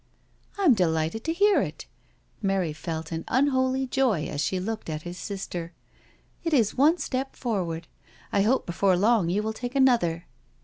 " I am delighted to hear it "—Mary felt an unholy joy as she looked at his sister—" it is one step forward. I hope before long you will take another."